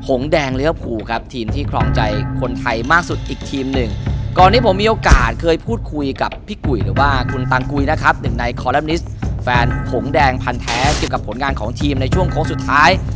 เกี่ยวกับผลงากณของทีมที่อยู่ในช่วงเคิ้งสุดท้าย